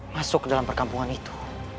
masuk ke dalam perkampungan itu